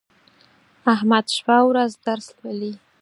احمد شپه او ورځ درس لولي.